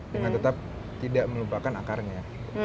dengan tetap tidak melupakan akarnya